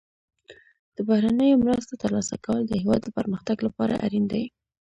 د بهرنیو مرستو ترلاسه کول د هیواد د پرمختګ لپاره اړین دي.